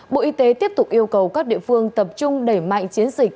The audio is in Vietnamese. bộ y tế tiếp tục yêu cầu các địa phương tập trung đẩy mạnh chiến dịch